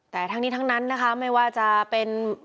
แต่ทั้งนี้ทั้งนั้นนะคะไม่ว่าจะเป็น